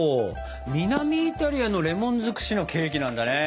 南イタリアのレモン尽くしのケーキなんだね。